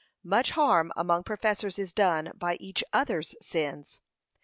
Much harm among professors is done by each others' sins.